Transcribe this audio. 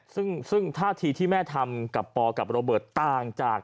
ซึ่งท่าทีที่แม่ทำกับปอกับโรเบิร์ตต่างจาก